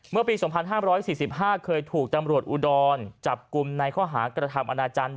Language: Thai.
เมื่อปี๒๕๔๕เคยถูกตำรวจอุดรจับกลุ่มในข้อหากระทำอนาจารย์